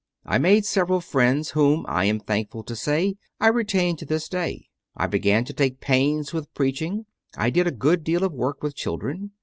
I made several friends, whom, I am thankful to say, I retain to this day; I began to take pains with preaching: I did a good deal of work with children.